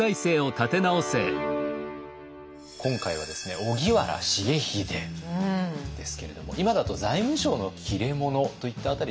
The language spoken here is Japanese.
今回はですね荻原重秀ですけれども今だと財務省の切れ者といった辺りでしょうかね。